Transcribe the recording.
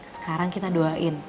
sekarang kita doain